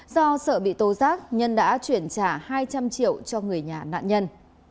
do sợ bị tố giác nhân đã chuyển trả hai trăm linh triệu cho người nhà nạn nhân